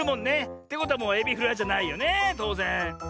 ってことはもうエビフライじゃないよねとうぜん。